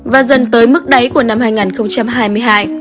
và dần tới mức đáy của năm hai nghìn hai mươi hai